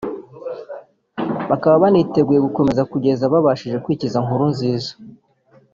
bakaba baniteguye gukomeza kugeza babashije kwikiza Nkurunziza